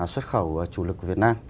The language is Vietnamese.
xuất khẩu chủ lực của việt nam